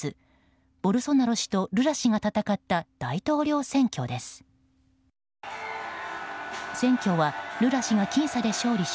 ボルソナロ氏とルラ氏が戦った大統領選挙です。